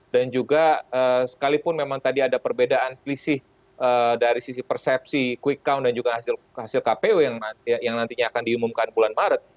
dan juga sekalipun memang tadi ada perbedaan selisih dari sisi persepsi quick count dan juga hasil kpu yang nantinya akan diumumkan bulan maret